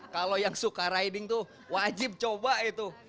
kalau yang suka riding tuh wajib coba itu